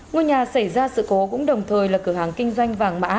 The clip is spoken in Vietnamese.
ngôi nhà xảy ra sự cố cũng đồng thời là cửa hàng kinh doanh vàng mã